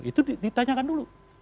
itu ditanyakan dulu